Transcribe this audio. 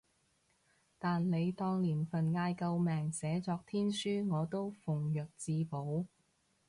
但你當年份嗌救命寫作天書，我都奉若至寶